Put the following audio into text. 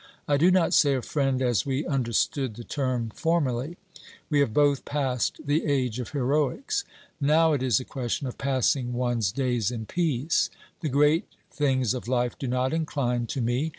I do not say a friend as we understood the term formerly. We have both passed the age of heroics. Now it is a question of passing one's days in peace ; the great things of life do not incline to me.